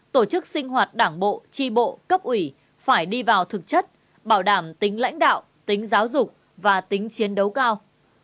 tổ chức sinh hoạt đảng bộ tri bộ cấp ủy phải đi vào thực chất bảo đảm tính lãnh đạo tính giáo dục và tính chiến đấu cao